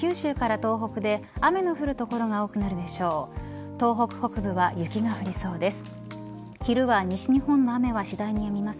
東北北部は雪が降りそうです。